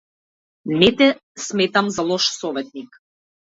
Не те сметам за лош советник.